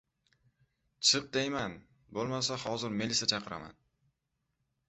— Chiq deyman, bo‘lmasa, hozir melisa chaqiraman!